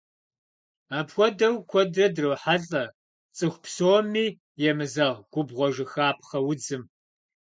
Апхуэдэу куэдрэ дрохьэлӏэ цӏыху псоми емызэгъ губгъуэжыхапхъэ удзым.